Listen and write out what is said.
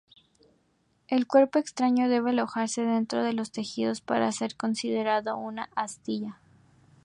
El cuerpo extraño debe alojarse dentro de los tejidos para ser considerado una astilla.